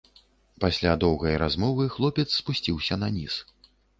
Пасля доўгай размовы хлопец спусціўся наніз.